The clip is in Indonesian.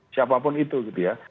siapapun itu gitu ya